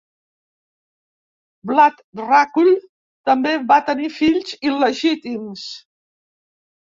Vlad Dracul també va tenir fills il·legítims.